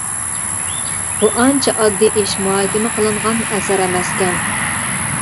بۇ ئانچە ئاددىي ئىش مۇھاكىمە قىلىنغان ئەسەر ئەمەسكەن.